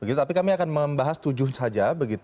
begitu tapi kami akan membahas tujuh saja